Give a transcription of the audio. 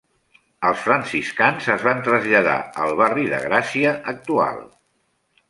Els franciscans es van traslladar al barri de Gràcia actual.